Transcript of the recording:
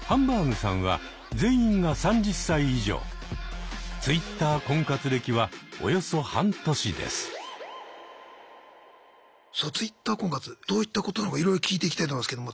さあＴｗｉｔｔｅｒ婚活どういったことなのかいろいろ聞いていきたいと思いますけども。